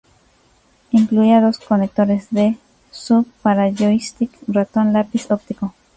Incluía dos conectores D-sub para joystick, ratón, lápiz óptico.